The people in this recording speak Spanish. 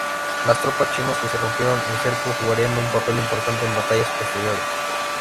Las tropas chinas que rompieron el cerco jugarían un papel importante en batallas posteriores.